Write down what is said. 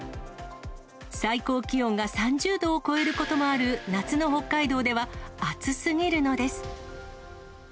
最高気温が３０度を超えることもある夏の北海道では、暑すぎるのです。